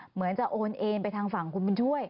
เหมือนจะโอนเองไปทางฝั่งคุณบุญช่วย